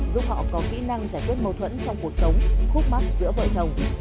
giúp họ có kỹ năng giải quyết mâu thuẫn trong cuộc sống khúc mắt giữa vợ chồng